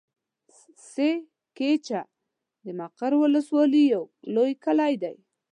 سه کېچه د مقر ولسوالي يو لوی کلی دی.